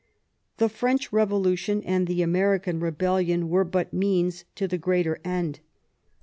The French Revolution and the American Rebellion were but means to the greater end.